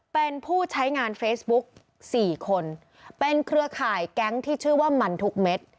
เป็นผู้ใช้งานเฟซบุ๊กสี่คนเป็นเครือข่ายแก๊งที่ชื่อว่ามันทุกเม็ด